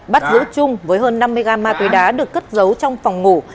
bắt giữ trung với hơn năm mươi gram ma túy đá được cất giấu trong phòng ngủ